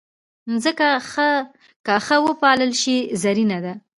مځکه که ښه وپالل شي، زرینه ده.